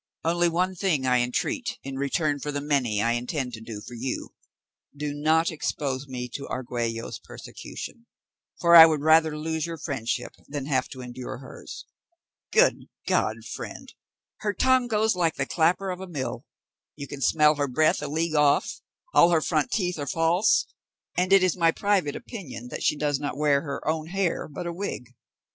Only one thing I entreat in return for the many I intend to do for you: do not expose me to Argüello's persecution, for I would rather lose your friendship than have to endure hers. Good God, friend! her tongue goes like the clapper of a mill; you can smell her breath a league off; all her front teeth are false, and it is my private opinion that she does not wear her own hair, but a wig.